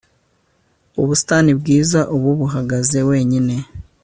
ubusitani bwiza ubu buhagaze wenyine